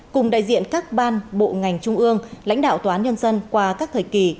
cùng đại diện các ban bộ ngành trung ương lãnh đạo tòa án nhân dân qua các thời kỳ